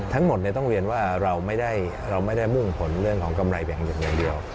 ทั้งหมดต้องเรียนว่าเราไม่ได้มุ่งผลเรื่องของกำไรแบ่งเด็กอย่างเดียว